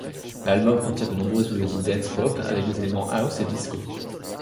L'album contient de nombreuses mélodies dance-pop avec des éléments house et disco.